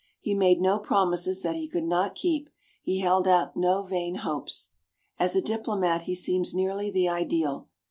He made no promises that he could not keep; he held out no vain hopes. As a diplomat he seems nearly the ideal.